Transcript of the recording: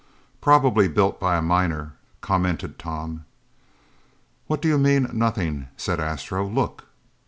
"Probably built by a miner," commented Tom. "What do you mean 'nothing'?" said Astro. "Look!"